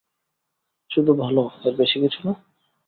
শুধু ভালো, এর বেশি কিছু না?